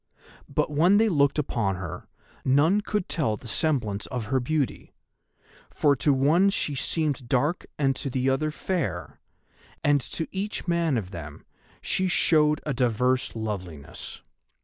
But when they looked upon her, none could tell the semblance of her beauty, for to one she seemed dark and to the other fair, and to each man of them she showed a diverse loveliness.